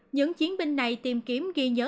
những chiến binh này tìm kiếm ghi nhớ